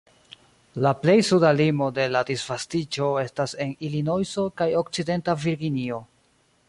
La plej suda limo de la disvastiĝo estas en Ilinojso kaj Okcidenta Virginio.